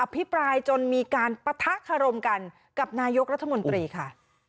พิปรายจนมีการปะทะคารมกันกับนายกรัฐมนตรีค่ะ